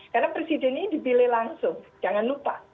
karena presiden ini dibilih langsung jangan lupa